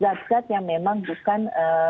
zat zat yang memang bukan